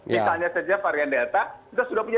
misalnya saja varian delta kita sudah punya